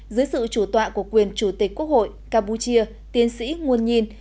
dưới sự chủ tọa của quyền chủ tịch quốc hội